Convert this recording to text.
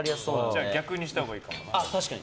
じゃあ逆にしたほうがいいかな。